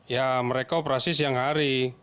ya mereka operasi siang hari